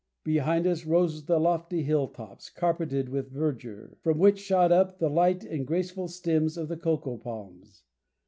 Behind us rose the lofty hill tops, carpeted with verdure, from which shot up the light and graceful stems of the cocoa palms.